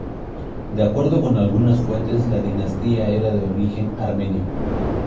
De acuerdo con algunas fuentes la dinastía era de origen armenio.